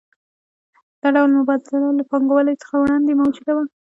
دا ډول مبادله له پانګوالۍ څخه وړاندې موجوده وه